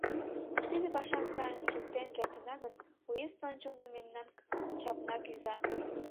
Тиде пашам сайын шуктен кертына гын, уезд ончылно мемнан чапна кӱза.